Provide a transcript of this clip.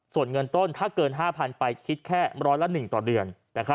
ส่วนเงินต้นถ้าเกิน๕๐๐๐ไปคิดแค่ร้อยละ๑ต่อเดือน